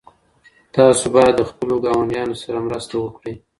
تاسو باید له خپلو ګاونډیانو سره مرسته وکړئ.